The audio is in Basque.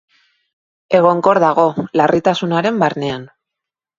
Egonkor dago, larritasunaren barnean.